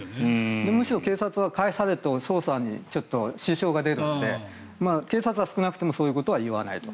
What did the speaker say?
むしろ警察は返されると捜査に支障が出るので警察は少なくともそういうことは言わないと。